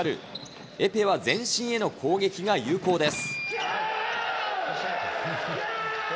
エペは全身への攻撃が有効です。